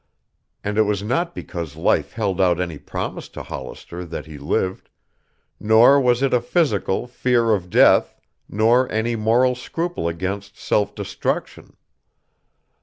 And it was not because life held out any promise to Hollister that he lived, nor was it a physical, fear of death, nor any moral scruple against self destruction.